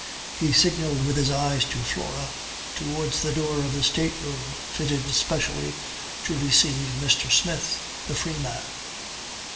He signalled with his eyes to Flora towards the door of the state room fitted specially to receive Mr. Smith, the free man.